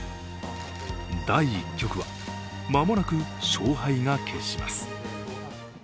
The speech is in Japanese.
第１局は間もなく勝敗が決します。